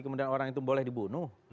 kemudian orang itu boleh dibunuh